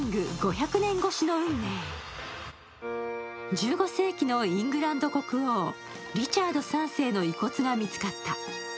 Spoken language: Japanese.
１５世紀のイングランド国王、リチャード３世の遺骨が見つかった。